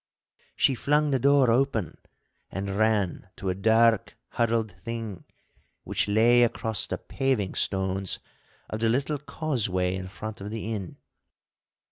She flung the door open and ran to a dark, huddled thing, which lay across the paving stones of the little causeway in front of the inn.